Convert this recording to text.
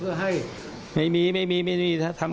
และปฏิเสธที่ครอบครัวฝ่ายหญิงจะแจ้งความรัก